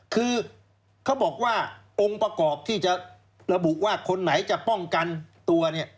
คือเขาบอกว่าองค์ประกอบที่จะระบุว่าคนไหนจะป้องกันตัวเนี่ย